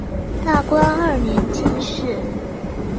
大观二年进士。